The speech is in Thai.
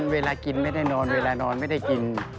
เวลากินไม่ได้นอนเวลานอนไม่ได้กิน